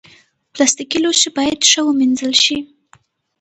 پلاستيکي لوښي باید ښه ومینځل شي.